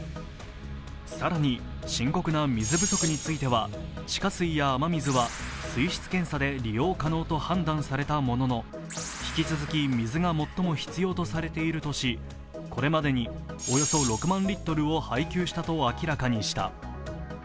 更に深刻な水不足については地下水や雨水は水質検査で利用可能と判断されたものの、引き続き水が最も必要とされているとし、これまでにおよそ６万リットルを配給したと明らかにした。